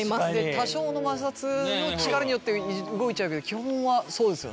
多少の摩擦の力によって動いちゃうけど基本はそうですよね。